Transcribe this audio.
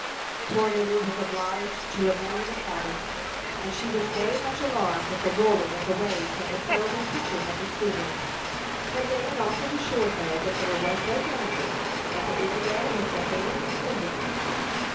Poor Lily was obliged to remain in the cabin, and she was very much alarmed at the roaring of the waves and the terrible pitching of the schooner; but Dan often assured her that there was no danger; that the Isabel was behaving splendidly.